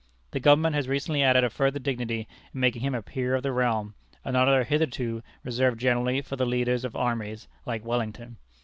The government has recently added a further dignity in making him a peer of the realm, an honor hitherto reserved generally for the leaders of armies, like Wellington.